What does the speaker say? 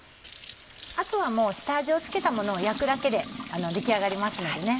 あとはもう下味を付けたものを焼くだけで出来上がりますので。